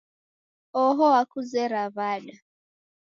Oho wakuzera w'ada?